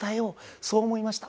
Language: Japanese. そう思いました。